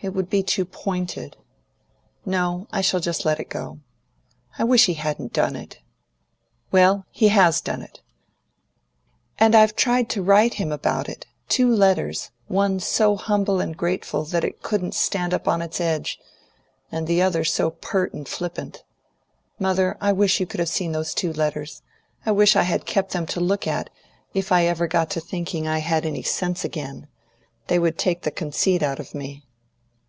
"It would be too pointed. No, I shall just let it go. I wish he hadn't done it." "Well, he has done it." "And I've tried to write to him about it two letters: one so humble and grateful that it couldn't stand up on its edge, and the other so pert and flippant. Mother, I wish you could have seen those two letters! I wish I had kept them to look at if I ever got to thinking I had any sense again. They would take the conceit out of me."